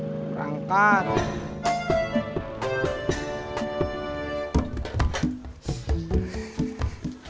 sebelum semuanya belajar kata hola